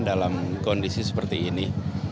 dalam kondisi seperti ini